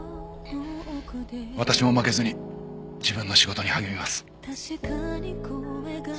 私も負けずに自分の仕事に励みます。